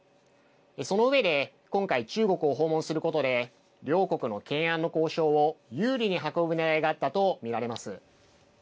その上で今回中国を訪問することで両国の懸案の交渉を有利に運ぶねらいがあったと見られます。